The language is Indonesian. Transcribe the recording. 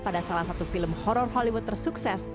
pada salah satu film horror hollywood tersukses